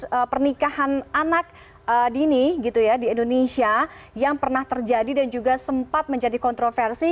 kasus pernikahan anak dini gitu ya di indonesia yang pernah terjadi dan juga sempat menjadi kontroversi